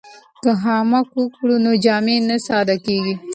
که خامک وکړو نو جامې نه ساده کیږي.